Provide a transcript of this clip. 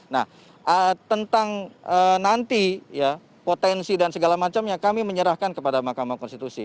nah tentang nanti ya potensi dan segala macamnya kami menyerahkan kepada mahkamah konstitusi